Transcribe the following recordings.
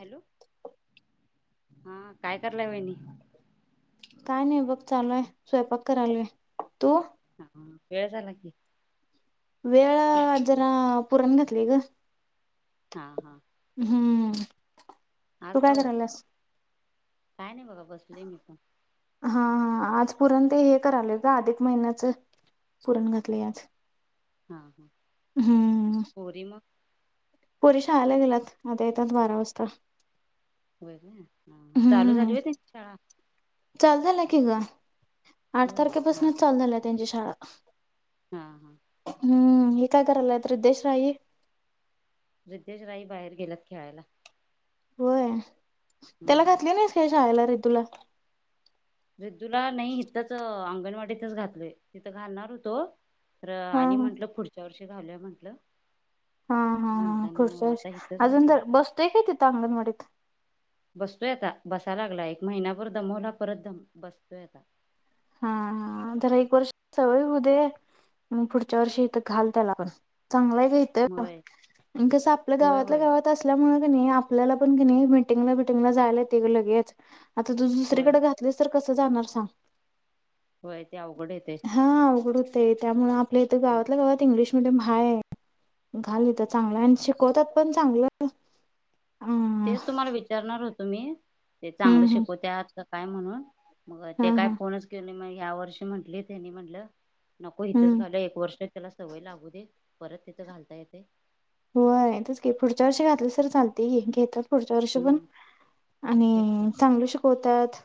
Hello, हा काय करलय वहिनी काय नाही बघ चालूय स्वयंपाक करायलुय तू हा वेळ झाला की. वेळ जरा पुरण घातलीय ग हा हा हम्म आज तू का काय हो करालास. काय नाही बघा बसलेय मी पण हा हा आज पुरण ते हे कराले ग अधिक महिन्याच पुरण घातले आज हा हा हम्म पोरी मग पोरी शाळेला गेलात आता येतात बारा वाजता. होय ना, हा चालू झाली हम्म होय त्यांची शाळा चालू झाल्या की ग आठ होय हा तारखेपासूनच चालू झाला त्यांची शाळा हा हा आणि काय करायल्यात रिद्धेश राई रीद्धेश राई बाहेर गेलात खेळायला. होय त्याला हम्म घातली नाहीस नाय का शाळेला तुला रिद्दूला नाही इच अंगन अंगणवाडीतच घातलोय. तिथे घालणार होतो. तर हा आणि म्हटलं हा पुढच्या वर्ष घालूया म्हंटलं. हा हा हा. पुढच्या म्हणताना वर्षी आता इथंच अजून घातलंय तर बसतो का तिथं अंगणवाडीत. बसतोय आता बसाय लागला. एक महिनाभर दमवला परतम बसतोय आता. हा हा. जरा एक वर्ष सवय होउ दे पुढच्या वर्षी इथ घाल त्याला पण चांगलंय ग होय हित कस आपल्या होय गावातल्या होय गावात असल्यामुळे आपल्याला पण कीणी मिटिंगला बिटिंगला जायला येतंय लगेच. आता तू होय दुसरीकडे घातलीस तर कस जाणार सांग? होय. ते अवघड येतय. ते त्यामुळे आपले हित गावातल्या गावात इंग्लिश मेडीयम हय घाल हित चांगलं आणि शिकवतात पण चांगलं. अं तेच तुम्हाला विचारणार होत तुम्ही ते चांगलं हम्म हम्म शिकव त्यात आ काय म्हणून? मग ते हा काय हा फोनच केले नाही या वर्षी म्हंटली त्यांनी म्हटलं नको, इथंच हम्म घालं एक वर्ष त्याला सवय लागू दे. परत तिथं घालता येते. होय. तेच की पुढच्या वर्षी घातलं तर चालत की पुढच्या वर्षी पण हम्म तेच की आणि चांगलं शिकवतात.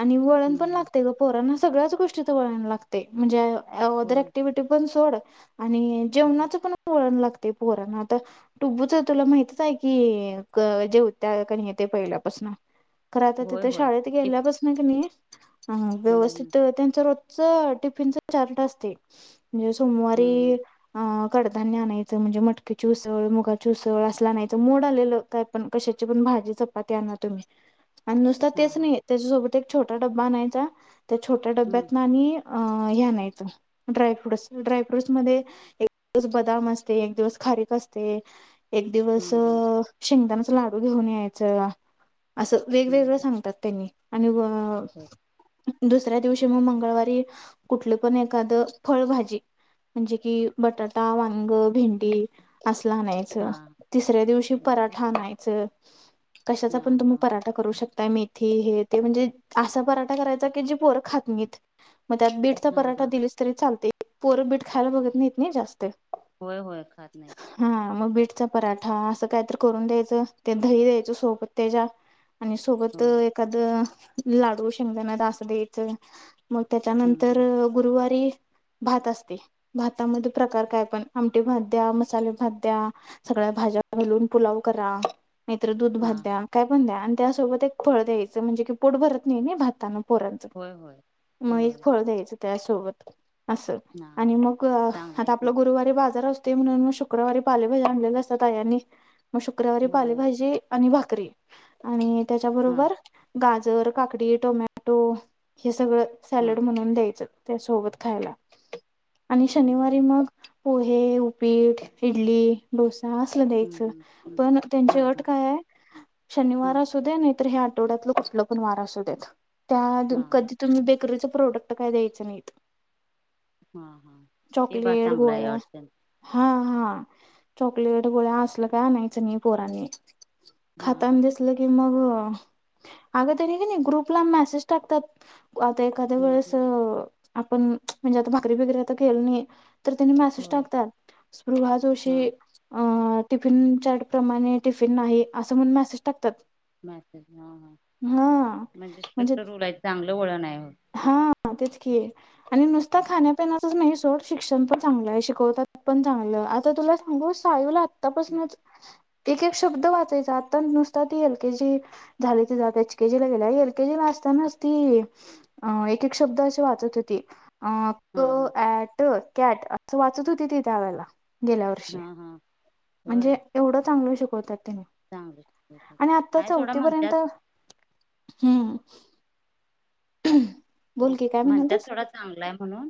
आणि वळण हम्म पण हम्म लागते ग पोरा ना. सगळ्याच गोष्टी तर वळण लागते म्हणजे अदर होय क्टिवि्हटी पण सोड आणि जेवणाच पण वळण लागते. पोरना आता टु्बूच तुला माहतीच आहे की जेव त्या का नाही ते पहिल्यापासून. खर आता होय तिथे होय शाळेत ते गेल्या पसन कणी हा हम्म व्यवस्थित त्यांच टिफिन च चार्ट असतं. म्हणजे हम्म हम्म सोमवारी हम्म अ कडधान्यं आणयचं म्हणजे म टकीची उसळ मुगाची उसळ असलं आणायच मोड आलेलं काय पण कशाची पण भाजी चपाती आणा तुम्ही आणि नुसता हा तेच हा नाही त्याच्यासोबत एक छोटा डबा आणायचा त्या छोट्या हम्म डब्यात ना आणि अ ह्या नाहीच ड्राय फ्रूट्स ड्राय फ्रूट्स मध्ये एक दिवस बदाम असते एक दिवस खारीेक कसते एक दिवस हम्म शेंगदाना अस लाडू घेऊन यायचं असं हम्म हम्म वेगवेगळं हम्म सांगतात त्यांनी आणि व होय हो दुसऱ्या दिवशी मग मंगळवारी कुठलं पण एखादं फळभाजी म्हणजे कि बटाटा, वांग, भेंडी अस हे हा आणायचं तिसऱ्या दिवशी होय का पराठा आणायचं. कशाचा हा पण हा तुम्ही पराठा करू शक मेथी हे ते म्हणजे असा पराठा करायचा की जे पोर खातनीत मग त्यात बीडचा हा पराठा हा दिलीस तरी चालतय. पोर बीठ खायला बघत नाहीत नाही जास्त होय होय खात नाहीत हा मग बिट चा पराठा असं काहीतर करून द्यायचं ते दही द्यायचं सोबत त्याच्या आणि सोबत होय एखादं लाडू शेंगदना अस देयचं मग हम्म त्याच्यानंतर हम्म गुरुवारी भात असते भातामध्ये प्रकार काय पण आमटी भात द्या मसाले भात द्या सगळ्या भाज्या मिळून पुलाव करा. नाहीतर दूध हा भात हा द्या काय पण द्या आण त्यासोबत एक फळ द्यायचं म्हणजे की पोट भरत नाही नी भातानं पोरांचं होय होय मग एक होय फळ द्यायचं त्यासोबत असं हा आणि मग चांगला आहे आता की आपलं गुरुवारी बाजार अस ते म्हणून मग शुक्रवारी पालेभजा आणलेल्या असतात आयांनी मग शुक्रवारी होय पालेभाजी आणि भाक करी आणि हा त्याच्याबरोबर गा जर काकडी, टोमॅटो हे सगळं हा सॅलेड म्हणून द्यायचं. त्यासोबत खायला आणि शनिवारी हं, मग पोहे ऊ पीठ, इडली, डोस असलं द्यायच हं, हं, हं, पण त्यांची हां, अट हां, काय आहे शनिवार हां, आसुदे नाहीतर ह्या आठवड्यातलं कुठलं पण वार असूद्यात त्या हां, हां, कधी तुम्ही बेकरीच प्रोडक्ट काय द्यायच नाहीत हा हा ते बा चॉकलेट, चांगलं आहे गोळ्या अडचण हा हा चॉकलेट गोळ्या असल काय आणायचं नाही पोरांनी हां, खाताना हां, दिसलं की मग अग तरी का नाही ग्रुपला मेसेज टाकत्यात आता एखाद्या हं, हं, वेळेस अ आपण म्हणजे आता भाकरी वगैरे आता केलो नाही तर त्यांनी मेसेज होय. टाकत्यात स्पृहा जोशी हां, अ टिफिन चॅट प्रमाणे टिफिन नाही असं म्हणून मॅसेज टाकत्यात म्हणजे स्ट्रिक्ट रुल आहेत चांगलं वळण आहे तिथं. हा तेच की आणि नुसता हं, हं, खाण्यापिण्याच नाही सोड शिक्षण पण चांगलं आहे शिकवतात पण चांगलं आता तुला सांगू सायला तपसनच एक एक शब्द वाचायचा आता नुसता ती एल के जी झाली ति एच केजी ला गेले एल केजी ला असतानाच ती अ एक एक शब्द अशी वाचत होती अक हां, हां, आट कॅट असं वाचत होती ती त्या वेळेला गेल्या वर्षी हां, हां, होय म्हणजे एवढं चांगल शिकवत्यात चांगलं काय सोडा चौथी पर्यंत म्हणतात हम्म [inaudible] की काय म्हणत म्हणालतीस थोडा चांगला आहे म्हणून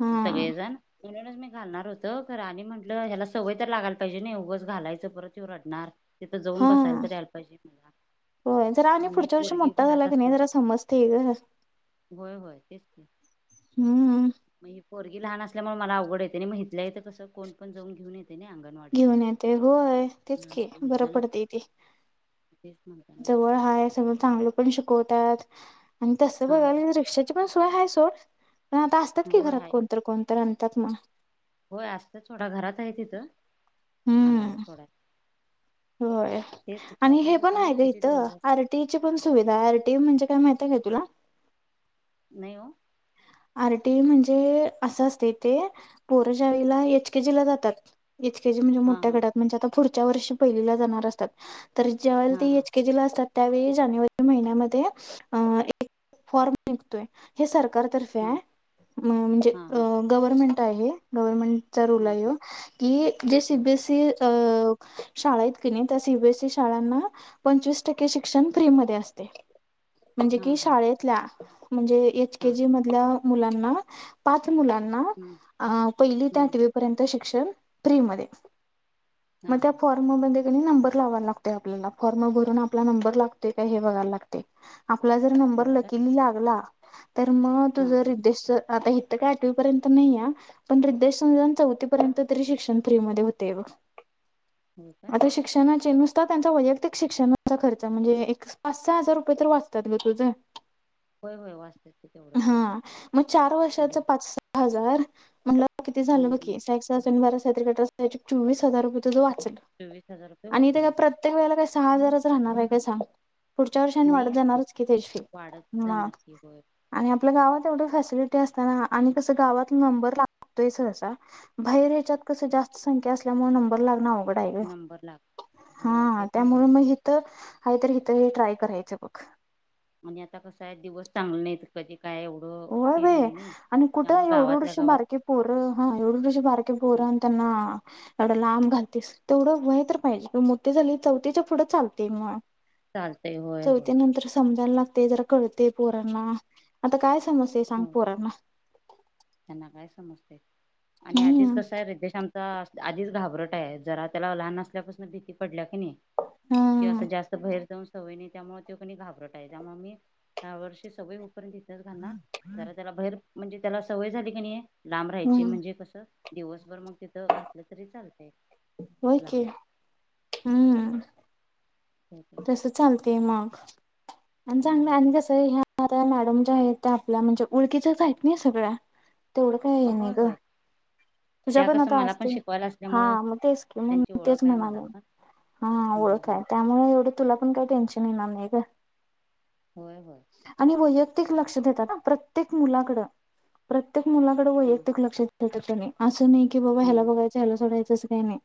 हा सगळेजण म्हणूनच मी घालणार होत खरं आणि म्हटलं ह्याला सवय तर लागयला पाहिजे नाही उगाच घालायचं परत ह्यो रडणार तिथं हा जाऊन बसायला तरी यायला पाहिजे मला. होय जरा आणि मग ही पुढच्या वर्षी पोरगी मोठा झाला घरात क असताना नाही जरा समजते घर होय होय तेच नाही हम्म. पोरगी लहान असल्यामुळे मला अवघड होतेय आणि हितल्या हित माहित कसं कोण पण जाऊन घेऊन येत घेऊन येते होय तेच हम्म, ख बरं म्हणताना पडते ते तेच म्हणताना जवळ हाय सगळं चांगलं पण शिक वतात. आणि तसं हा हा बघायाला रिक्षाची पण सोय आहे. [unintelligible] पण आता असतात की होय घरात आहे कोण की. तर कोण तर [unintelligible] होय असतात सोडा घरात हाय तिथं. आणायला हम्म सोडाय. होय तेच आणि हे विचारणार पण होतो मी आहे का किती दिवस इथं झाले. आरटीची पण सुविधा आरटी म्हणजे काय माहि ती का तुला? नाही ओ. आरटी म्हणजे असं असते ते पोरजावेळेला एच केजी ला जातात. एच केेजी म्हणजे हा मोठ्या हा गटात म्हणजे आता पुढच्या वर्षी पहिलीला जाणार असतात. तर जेवेळेला हा ते हा एच के जी ला असतात. त्यावेळी जानेवारी महिन्यामध्ये एक फॉर्म निघतोय हे सर कार तर्फे हा आहे म्हणजे हा हा गव्हर्मेंट आहे गवर्नमेंट चा रुल हा हाय हा ह्यो की जे सी. हा बी. एस. ई शाळा आहेत की नाही तर सीबीएसई शाळांना पंचवीस टक्के शिक्षण फ्री मध्ये असते. म्हणजे हा कि हा शाळेतल्या म्हणजे एच के हा जी मधल्या मुलांना पा चं मुलांना हम्म पहिली ते हम्म आठवीपर्यंत शिक शिक्षण फ्रि मध्ये. म हा त्या हा फॉर्ममध्ये नंबर लावा लागतंय, आपल्याला फॉर्म भरून आपला नंबर लागतो, का हे बघायला लागतय. आपला जर नंबर होय काय लकिली लागला. तर मग तू हा जर हा रीद्देशच आता हि त काय आठवी पर्यंत नाही, या पण रद्देश चौथी पर्यंत तरी शिक्षण फ्री म होते बघ. होय काय आता शिक्षणाचे नु ता त्यांचा वैयक्तिक शिक्षणाचा खर्च म्हणजे, एक पाच सहा हजार रुपये तर वाचतात ग तुझे. होय होय वा. हा मग चार वर्षाचा हम्म पाच हजार. मला. की ते झालं हम्म हम्म. बकी सक्स ब [unintelligible] चट चोवीस [unintelligible] वा चोवीस हजार रुपये वाचले प्र व [unintelligible] सहा हजारच राहणार आहे कासा. पुढच्या वर्षांनी वाढत जाणारच की त्याची वाढत हा जाणार की होय आणि आपल्या गावात एवढ फॅसिलिटी असतना, आणि कस गावात नंबर लागतोय, ससा बाहेर याच्यात कस जास्त संख्या असल्यामुळे नंबर लागणार. डा नंबर लाग होय हा ते पण त्यामुळे बरोबर मग इथ. हो तर इथही ट्राय करायचं बघ. आणि आता कस आहे दिवस चांगला नाही कधी. काय एवढं होय हे भे नाही नाही आणि त्यामुळे कुठं गावातल्या एवढेढशी गावात बारके पोर हा एवढडशी बारके पोर आणि त्यांना. एवढा लांब घालतेस तेवढं वय तर पाहिजे मोठी झाली चौथीच्या पुढं चालते म. चालतय होय होय चौथी नंतर समजायला लाग ते जर कळते पोरांना आता काय. समस्या सांग हो पोर ना. त्यांना काय समजते. आणि आधीच हम्म कसं आहे रिद्धेश आमचा. आधीच घाबरट आहे, जरा त्याला लहान असल्यापासून भीती पडल्या. किंवा हम्म असं जास्त भहेर जाऊन. सवय त्यामुळे तो कोणी घाबरत आहे, त्यामुळे मी त्या वर्षी सवय. तथ घा ज त्याला बैर. [unintelligible] म्हणजे त्याला. सवय झाली कण नई. लांब राहायची हम्म म्हणजे कसं दिवसभर मग तिथं घातलं तरी चालतं हो क हम्म हं, तस चालतेय मग [unintelligible] आणि चांगलं हं. आणि कसं ह्या णजे आपल्या म्हणजे उळखीच्याच आहेत ना सगळ्या तेवढं काय आहे नाही होय ग होय तुझ्या त्या पण कसं आता मला पण असते शिकवायला हा असल्यामुळं मग तेच क त्यांची मग ओळख तेच आहे म मला पण हं, हा ढखय हं. त्यामुळे तुला पण काही टेन्शन येणार नाही ग. होय बय प्रत्येक लक्ष देता प्रत्येक मुलाकड प्र प्रत्येक मुलाकडे हां वैयक्तिक लक्ष देतात त्यानी असून बबा हला हं, पघयच हला सडायचे [unintelligible] तसं काही नाही.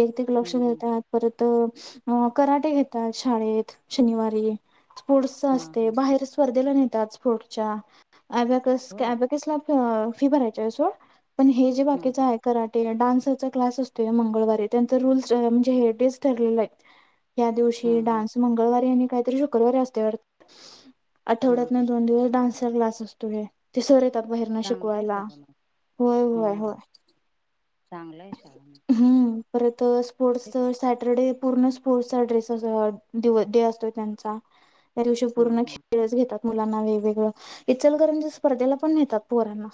एक ते एक लक्ष हं, हं. देतात परत कराटे घेत. शाळेत शनिवारी स्पोर्टस हां असते, हां बाहेर स्पर्धेला न च पुढच्या अभ्याकस होय अभ्या कसला फी भरायची आहे अस पण हे जे हां बाकीच हां आहे कराटे डान्स [unintelligible] हां हां डान्स मंगळवारी यांनी काहीतरी शुक्रवारी असते वाटत हां आठवड्यात ना हां. दोन दिवस डान्स ् असतो. बाहेर चांगलं आहे शिकवायला सगळं मग होय होय होय चांगलंय शाळा मग हम्म परत ोडस तेच सॅटरडे पूर्ण स्पोर्टचा ड्रेस डे असतो त्यांचा त्या दिवशी हां पूर्ण हां खेळच घेतात. मुलांना वेगवेगळं इचलकरंजी लां स्पर्धेला पण नेतात पोरांना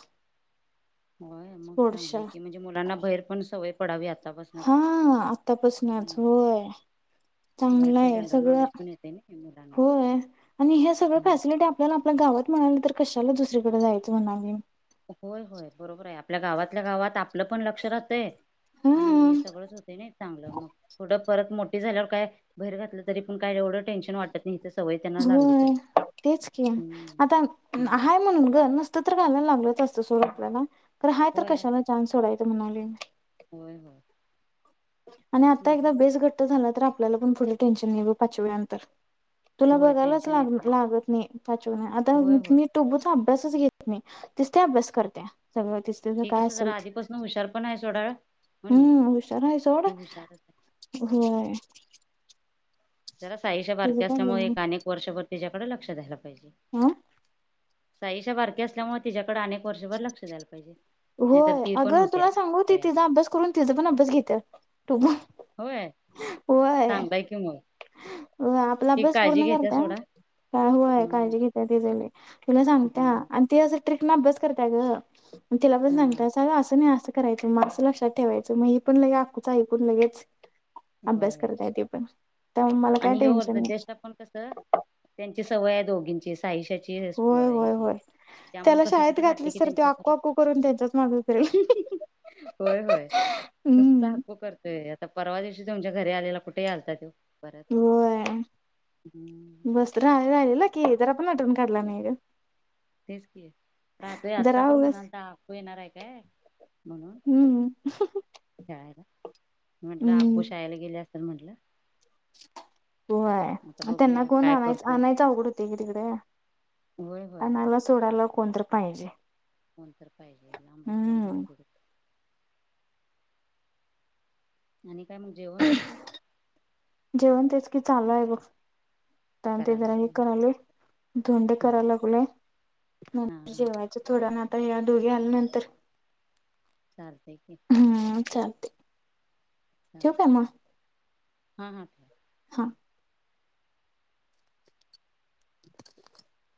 होय मग चांगला आहे स्पोर्ट्सच्या. की, म्हणजे मुलांना बाहेर पण सवय पडावीत. हा आतापासूनच होय. चांगलं बाहेरच आहे जनरल सगळं नॉलेज पण येते ना. मुलांना होय. आणि हे सगळ हं. फॅसिलिटी आपल्याला आपल्या गावात म्हणाले तर कशाला दुसरीकडे जायचं म्हणाली. होय होय बरोबर आहे. आपल्या गावातल्या गावात आप.. आपलं पण लक्ष राहतय आणि हम्म सगळंच होतं नाही चांगलं मग पुढं परत मोठ... ते झाल्यावर काय बाहेर घातलं तरी पण काय एवढं टेन्शन वाटत नाही... सवय त्यांना हो लागली तर तेच की हम्म आता हम्म आहे म्हणून ग नसतं तर घालायला लागल... असतं आपल्याला... हाय तर होय कशा चान्स सोडायची. म्हणाले. होय होय. आणि तेच आता एकदा म्हटलं बेस घट्ट झाला तर आप.. आपल्याला पण पुढं टेन्शन नाही ग पाचवीनंतर... तुला होय बघायलाच टेन्शन येत लाग नाही लागत नाही पाचवी आता होय होय मी टोबू.. अभ्यासच घेत नाही तीज ती अभ्यास करते. सगळं तीच तीच ती काय कसं असल जरा ते आधीपासून हुशार पण आहे सोडा हो नाही हम्म हुशार आहे सोड... ती हुशारच आहे होय. जरा साईश तिचं बारकी काय असल्यामुळे गं एक आणि वर्षभर... तिच्याकडे लक्ष द्यायला. पाहिजे. हा साईशा बारकी असल्यामुळे तिच्याकडे... आणि एक वर्षभर लक्ष द्यायला पाहिजे. नाहीतर होय ती पण अगं होते तुला सांगू ती तयार तिचा अभ्यास करून तिचा पण अभ्यास घेते. [inaudible] होय चांगला हाय कि मग... अ आपला ती अभ्यास काळजी पूर्ण घेत्या करता सोडा काय होय हम्म काळजी घेतल्यास ती.... ज... तुला सांगतीया हम्म आणि ते असं.. ट्रिक नं अभ्यास करतीया गं.. तिला पण हा सांगतीया अग असं नाही असं.. करायच मग असं लक्षात ठेवायचं मग ही पण लगेच आतुच आईकून लगेच... अभ्यास होय करताय ते पण.. त्यामुळे मला काय आणि हे टेन्शन वरचा नाही देशला पण कसं त्यांची... सवय दोघींची साहिशाची... होय होय [unintelligible] होय त्यामुळे त्याला कस शाळेत तिथं घातलं की घातलीस तर त्यो त्यांच्या आक्कू आक्कू करून त्यांच्याच माग फिरेल होय होय नुसतं हम्म हागु करतोय परवा दिवशी तुमच्या घरी आलेला कुठे आलता तो परत होय हम्म मस्त रा राहिलेला कि जर तेच की रात आता जरा पण उगच म्हणाल तर अकू येणार आहे काय म्हणून हम्म खेळायला म्हटलं हम्म अ्कू शाळेला गेली असल म्हटलं [inaudible] होय आता त्यांना बघूया कोण काय आणायच करतोय आणायचं आवघड होते तिकडे होय होय आणायला सोडायला कोणतर पाहिजे कोणतर पाहिजना बसनं हम्म अवघड आणि काय मग जेवण तुमचं क चालू आहे बघ ते करायला जरा हे लागेल हा करायलोय धोंडे हा करायला लागलोय हा म्ह हा जेवायच थोडंवेळानं आ दोघी आल्या नंतर चाल हम्म चाल ठिव काय म हा हा हा [inaudible]